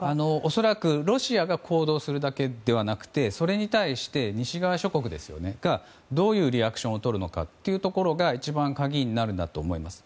恐らくロシアが行動するだけではなくてそれに対して、西側諸国がどういうリアクションをとるのかというところが一番鍵になるんだと思います。